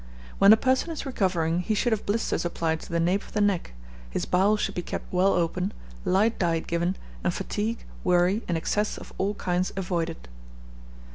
When a person is recovering, he should have blisters applied to the nape of the neck, his bowels should be kept well open, light diet given, and fatigue, worry, and excess of all kinds avoided.